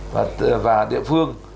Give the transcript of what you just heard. và địa phương